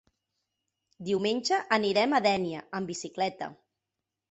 Diumenge anirem a Dénia amb bicicleta.